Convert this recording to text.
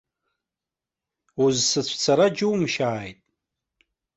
Узсыцәцара џьумшьааит.